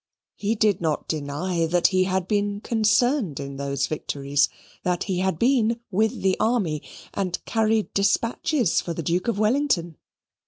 He did not deny that he had been concerned in those victories that he had been with the army and carried despatches for the Duke of Wellington.